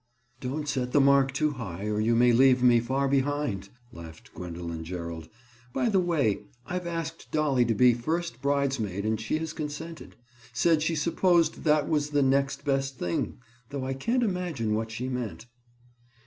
"Don't set the mark too high, or you may leave me far behind," laughed Gwendoline Gerald. "By the way I've asked Dolly to be first bridesmaid and she has consented. Said she supposed that was the 'next best thing,' though I can't imagine what she meant."